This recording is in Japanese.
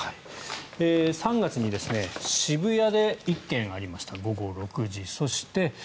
３月に渋谷で１件ありました午後６時。